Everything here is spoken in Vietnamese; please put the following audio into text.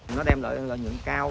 nó đem lại lợi nhuận cao